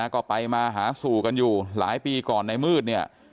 ก็ไปมาหาสู่กันอยู่หลายปีก่อนในมืดเนี่ย